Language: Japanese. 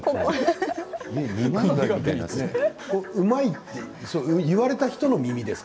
うまいと言われた人の耳ですか？